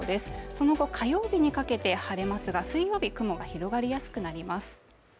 その後火曜日にかけて晴れますが水曜日雲が広がりやすくなります。